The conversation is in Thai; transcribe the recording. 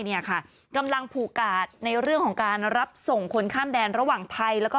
เนี่ยค่ะกำลังผูกกาดในเรื่องของการรับส่งคนข้ามแดนระหว่างไทยแล้วก็